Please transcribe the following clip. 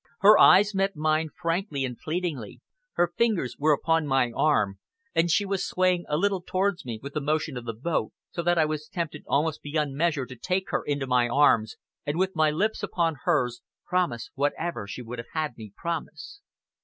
Her eyes met mine frankly and pleadingly, her fingers were upon my arm, and she was swaying a little towards me with the motion of the boat, so that I was tempted almost beyond measure to take her into my arms, and, with my lips upon hers, promise whatever she would have had me promise.